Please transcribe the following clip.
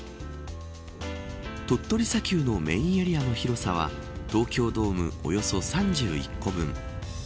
鳥取砂丘のメーンエリアの広さは東京ドームおよそ３１個分。